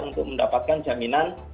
untuk mendapatkan jaminan